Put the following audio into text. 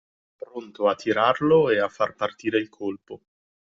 Pronto a tirarlo e a far partire il colpo.